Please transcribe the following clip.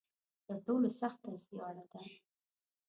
تر ټولو سخته زیاړه ده.